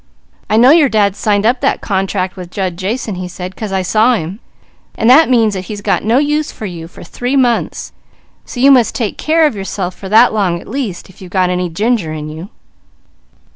"I know your dad signed up that contract with Jud Jason," he said, "'cause I saw him, and that means that he's got no use for you for three months; so you must take care of yourself for that long at least, if you got any ginger in you.